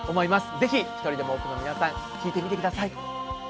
ぜひ１人でも多くの皆さん聴いてみてください。